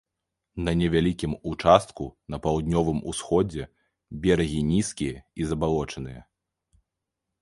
На невялікім участку на паўднёвым усходзе берагі нізкія і забалочаныя.